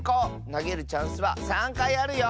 なげるチャンスは３かいあるよ！